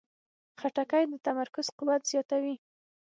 خټکی د تمرکز قوت زیاتوي.